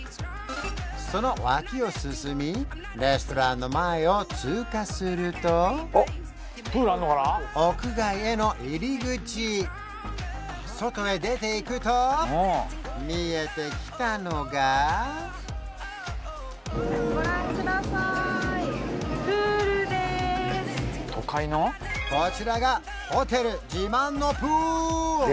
その脇を進みレストランの前を通過すると屋外への入り口外へ出て行くと見えてきたのがこちらがホテル自慢のプール！